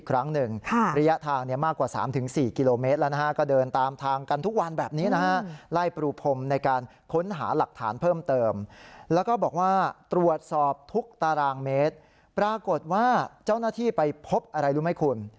แล้วก็บอกว่าตรวจสอบทุกตารางเมตรปรากฏว่าเจ้าหน้าที่ไปพบอะไรรู้มั้ยคุณ